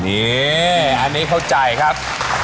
นี่อันนี้เข้าใจครับ